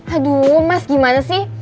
aduh mas gimana sih